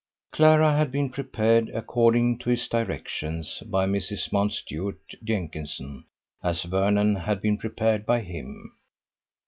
Clara had been prepared, according to his directions, by Mrs. Mountstuart Jenkinson, as Vernon had been prepared by him.